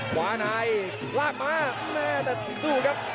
ขวาในลากมาแม่แต่ดูครับ